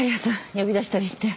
呼び出したりして。